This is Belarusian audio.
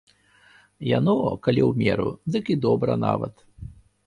Яно, калі ў меру, дык і добра нават.